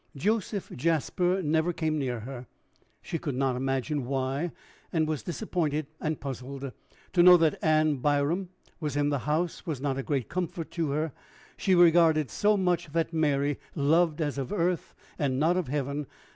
Joseph Jasper never came near her. She could not imagine why, and was disappointed and puzzled. To know that Ann Byrom was in the house was not a great comfort to her she regarded so much that Mary loved as of earth and not of heaven.